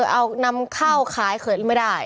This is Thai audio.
เอานำเข้าขายเขินไม่ได้